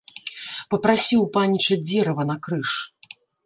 Папрасі ў паніча дзерава на крыж.